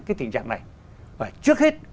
cái tình trạng này và trước hết